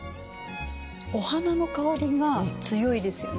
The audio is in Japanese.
お花の香りが強いですよね。